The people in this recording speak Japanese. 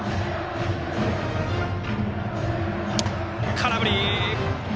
空振り！